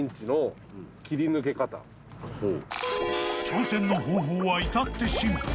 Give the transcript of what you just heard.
［挑戦の方法は至ってシンプル］